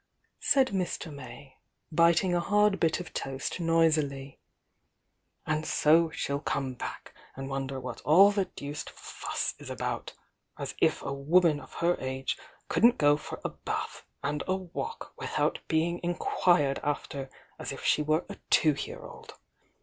said Mr. May, biting a hard bit of toast noisily. "And so she'll come back, and wonder what all the deuced fuss is aboiit. As jf a woman of her age couldn't go for a bath and a walk without being inquired after as if she were a two year old!